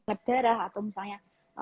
lab darah atau misalnya